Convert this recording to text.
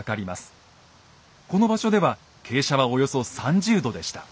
この場所では傾斜はおよそ３０度でした。